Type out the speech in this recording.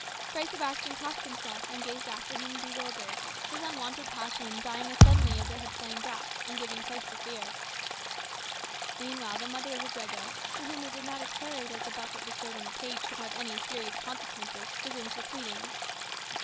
Fray Sebastian crossed himself, and gazed after him bewildered; his unwonted passion dying as suddenly as it had flamed up, and giving place to fear. Meanwhile the mother of Abrego, to whom it did not occur that the buffet bestowed on the page could have any serious consequences, resumed her pleadings.